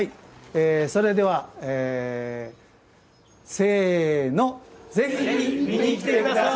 それではせーの、ぜひ見に来てください。